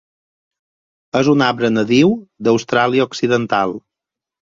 És un arbre nadiu d'Austràlia Occidental.